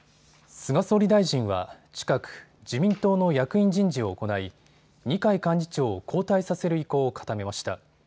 菅総理大臣は近く自民党の役員人事を行い二階幹事長を交代させる意向を固めました。